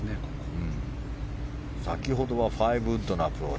先ほどは５ウッドのアプローチ